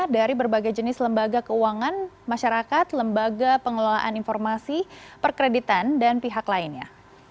dari berbagai jenis lembaga keuangan masyarakat lembaga pengelolaan informasi perkreditan dan pihak lainnya